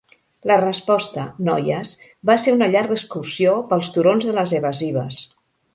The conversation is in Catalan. La resposta, noies, va ser una llarga excursió pels turons de les evasives.